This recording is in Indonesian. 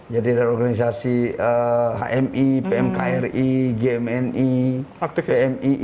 jadi dari organisasi hmi pmkri gmni pmi